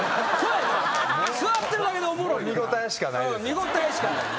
見応えしかないな。